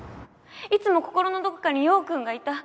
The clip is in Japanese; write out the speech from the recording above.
いつも心のどこかに陽君がいた。